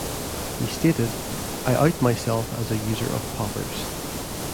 He stated, I out myself as a user of poppers.